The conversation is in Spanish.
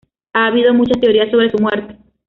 Ha habido muchas teoría sobre su muerte.